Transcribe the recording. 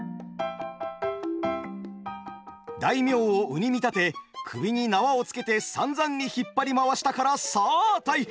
大名を鵜に見立て首に縄をつけてさんざんに引っ張り回したからさあ大変！